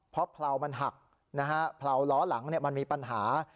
เพราะเผลามันหักนะฮะเผลาล้อหลังมันมีปัญหา